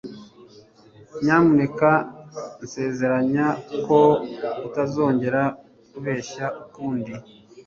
Nyamuneka nsezeranya ko utazongera kubeshya ukundi